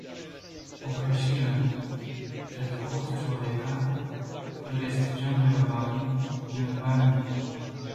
"Określiłem, że to chód człowieka, który jest w ciągłej obawie, że upadnie."